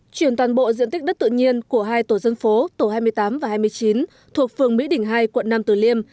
chuyển toàn bộ diện tích đất tự nhiên của hai tổ dân phố tổ hai mươi tám và hai mươi chín thuộc phường mỹ đỉnh hai quận nam tử liêm